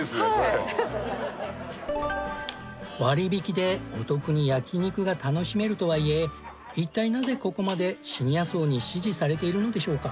割引でお得に焼肉が楽しめるとはいえ一体なぜここまでシニア層に支持されているのでしょうか？